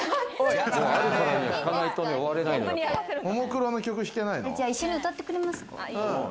ももクロの曲、弾けないの？